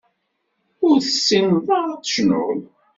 Ur tessineḍ ara ad tecnuḍ.